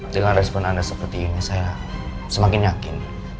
dengan respon anda seperti ini saya semakin yakin